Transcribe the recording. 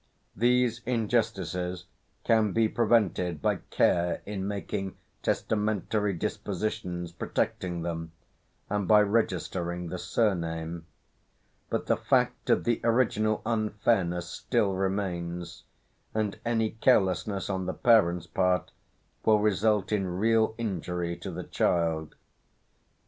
These injustices can be prevented by care in making testamentary dispositions protecting them, and by registering the surname, but the fact of the original unfairness still remains, and any carelessness on the parents' part will result in real injury to the child.